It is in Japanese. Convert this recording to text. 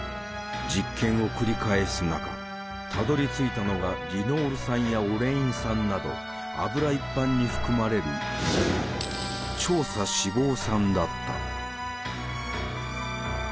実験を繰り返す中たどりついたのがリノール酸やオレイン酸など油一般に含まれる「長鎖脂肪酸」だった。